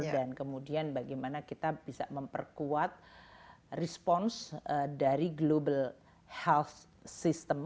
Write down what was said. dan kemudian bagaimana kita bisa memperkuat response dari global health system